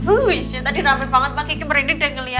wisss tadi rame banget pak kiki merindu deh ngeliatnya